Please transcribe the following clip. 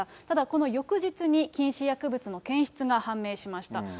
ただ、この翌日に禁止薬物の検出が判明しました。